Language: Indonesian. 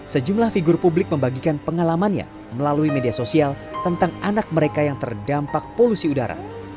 sejumlah figur publik membagikan pengalamannya melalui media sosial tentang anak mereka yang terdampak polusi udara